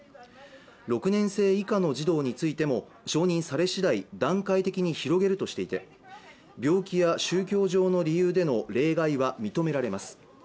６年生以下の児童についても承認され次第段階的に広げるとしていて病気や宗教上の理由での例外は認められます